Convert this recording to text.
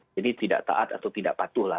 jadi tidak taat atau tidak patuh lah